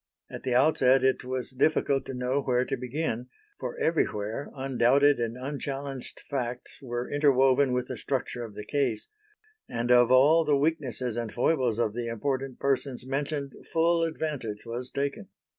At the outset it was difficult to know where to begin, for everywhere undoubted and unchallenged facts were interwoven with the structure of the case; and of all the weaknesses and foibles of the important persons mentioned, full advantage was taken.